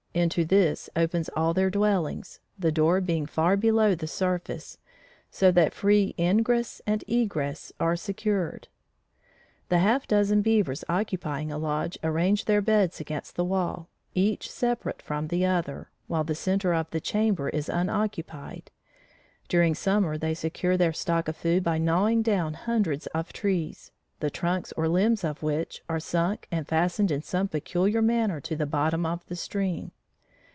Into this opens all their dwellings, the door being far below the surface, so that free ingress and egress are secured. The half dozen beavers occupying a lodge arrange their beds against the wall, each separate from the other, while the centre of the chamber is unoccupied. During summer they secure their stock of food by gnawing down hundreds of trees, the trunks or limbs of which are sunk and fastened in some peculiar manner to the bottom of the stream.